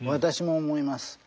私も思います。